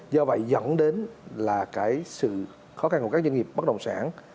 do vậy dẫn đến là cái sự khó khăn của các doanh nghiệp bất động sản